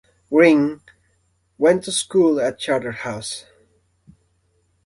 Green went to school at Charterhouse.